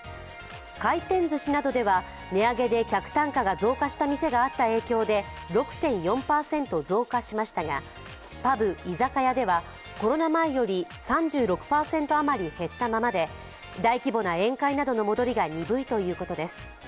回転ずしなどは値上げで客単価が増加した店があった影響で６．４％増加しましたがパブ・居酒屋では、コロナ前より３６％余り減ったままで、大規模な宴会などの戻りが鈍いということです。